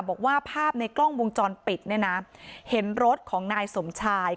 บอกว่าภาพในกล้องวงจรปิดเนี่ยนะเห็นรถของนายสมชาย